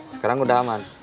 sekarang udah aman